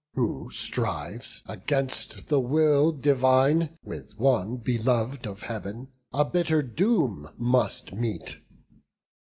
Who strives, against the will divine, with one Belov'd of Heav'n, a bitter doom must meet.